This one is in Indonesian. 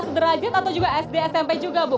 derajat atau juga sd smp juga bu